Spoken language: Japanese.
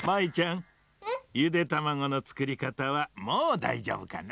ん？ゆでたまごのつくりかたはもうだいじょうぶかな？